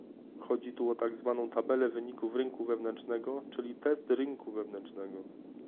Chodzi tu o tak zwaną tabelę wyników rynku wewnętrznego czyli test rynku wewnętrznego